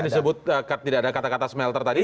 jadi disebut tidak ada kata kata smelter tadi